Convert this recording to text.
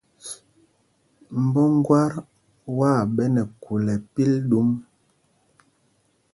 Mbɔ ŋgát waa ɓɛ nɛ khul ɛ́pil ɗum.